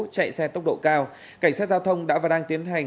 chạy xe tốc độ cao cảnh sát giao thông đã và đang tiến hành